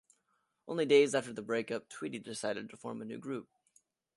Only days after the breakup, Tweedy decided to form a new group.